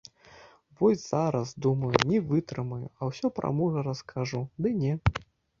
Вось зараз, думаю, не вытрымаю, а ўсё пра мужа раскажу, дык не.